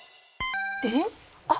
えっ？